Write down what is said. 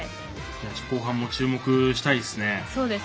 後半も注目したいですね。